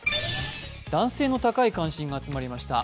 男性の高い感心が集まりました。